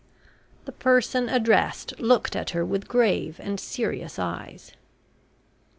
The person addressed looked at her with grave and serious eyes.